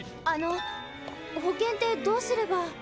あの「保険」ってどうすれば。